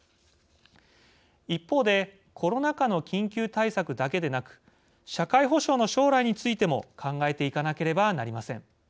一方でコロナ禍の緊急対策だけでなく社会保障の将来についても考えていかなければなりません。